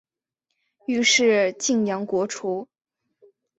于是泾阳国除。